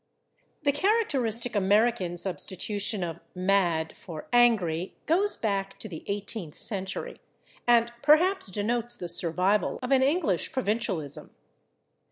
The characteristic American substitution of /mad/ for /angry/ goes back to the eighteenth century, and perhaps denotes the survival of an English provincialism.